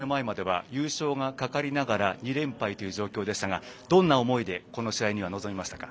この試合の前までは優勝が懸かりながら２連敗という状況でしたがどんな思いでこの試合に臨みましたか。